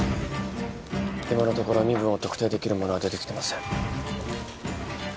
今のところ身分を特定できるものは出てきてません